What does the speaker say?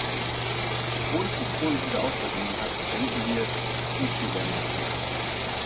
Obwohl es noch positive Auswirkungen hat, denken wir, dass diese ziemlich begrenzt sind.